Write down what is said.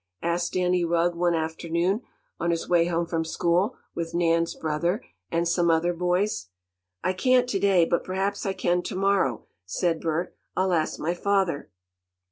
asked Danny Rugg one afternoon, on his way home from school, with Nan's brother, and some other boys. "I can't to day, but perhaps I can to morrow," said Bert. "I'll ask my father."